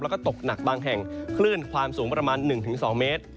แล้วก็ตกหนักบางแห่งคลื่นความสูงประมาณ๑๒เมตร